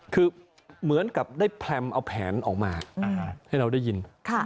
คือเหมือนกับได้แพรมเอาแผนออกมาให้เราได้ยิน